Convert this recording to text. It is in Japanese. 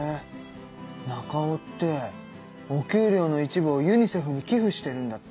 ナカオってお給料の一部をユニセフに寄付してるんだって！